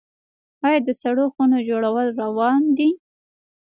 آیا د سړو خونو جوړول روان دي؟